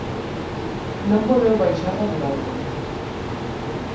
Non volveu baixar da piragua.